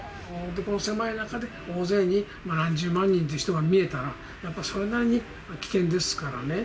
この狭い中で、大勢、何十万人という人が見えたら、やっぱそれなりに危険ですからね。